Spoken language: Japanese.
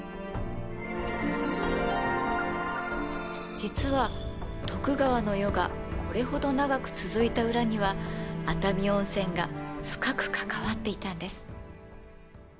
実は徳川の世がこれほど長く続いた裏には熱海温泉が深く関わっていたんです。